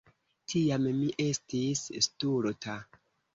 Tiam mi estis stulta.